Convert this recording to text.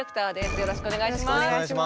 よろしくお願いします。